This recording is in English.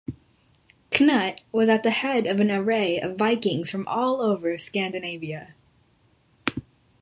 Cnut was at the head of an array of Vikings from all over Scandinavia.